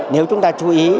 nếu chúng ta chú ý